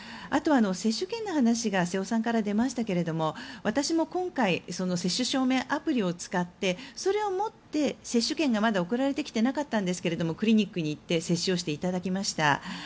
あとは、接種券の話が瀬尾さんから出ましたが私も今回接種証明アプリを使ってそれを持って接種券がまだ送られてこなかったんですがクリニックに行って接種をしていただきました。